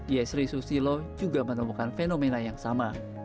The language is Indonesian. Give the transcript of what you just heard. yesri susilo juga menemukan fenomena yang sama